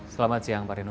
selamat siang pak reno